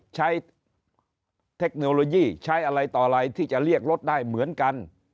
เทคโนโลยีใช้อะไรต่ออะไรที่จะเรียกรถได้เหมือนกัน